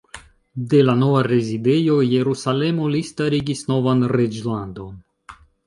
De la nova rezidejo Jerusalemo li starigis novan reĝlandon.